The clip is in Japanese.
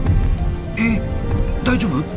えっ大丈夫？